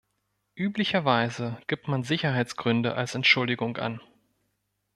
Üblicherweise gibt man Sicherheitsgründe als Entschuldigung an.